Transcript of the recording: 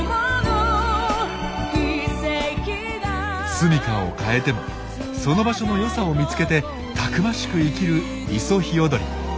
すみかを変えてもその場所の良さを見つけてたくましく生きるイソヒヨドリ。